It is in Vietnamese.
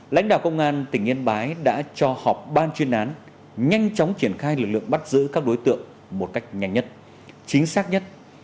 lãnh đạo công an tỉnh yên bái đã cho họp ban chuyên án nhanh chóng triển khai lực lượng bắt giữ các đối tượng một cách nhanh nhất chính xác nhất